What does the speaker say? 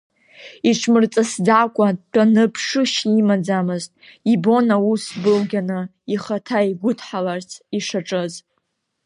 Иҽмырҵысӡакәа, дтәаны ԥшышьа имаӡамызт, ибон аус былгьаны ихаҭа игәыдҳаларц ишаҿыз.